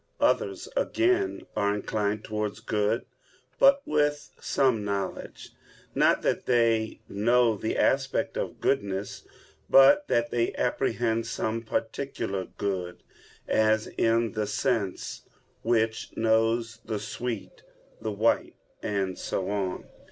Others, again, are inclined towards good, but with some knowledge; not that they know the aspect of goodness, but that they apprehend some particular good; as in the sense, which knows the sweet, the white, and so on.